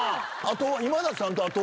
あと今田さんとあとは。